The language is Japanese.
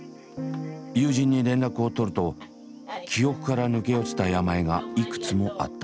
友人に連絡を取ると記憶から抜け落ちた病がいくつもあった。